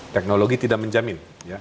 teknologi tidak menjamin